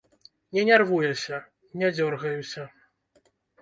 Не нярвуюся, не дзёргаюся.